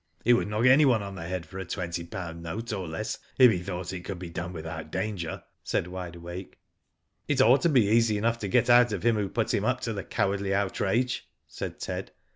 He would knock anyone on the head for a twenty pound note or less if he thought it could be done without danger," said Wide Awake. It ought to be easy enough to get out of him who put him up to the cowardly outrage," said Ted.